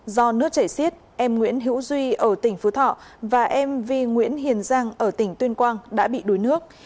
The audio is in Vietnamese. do nước chảy xiết em nguyễn hữu duy ở tỉnh phú thọ và mv nguyễn hiền giang ở tỉnh tuyên quang đã bị đuối nước